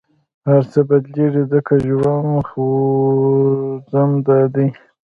هر څه بدلېږي، ځکه ژوند خوځنده دی.